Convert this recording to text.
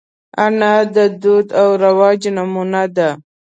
انا د دود او رواج نمونه ده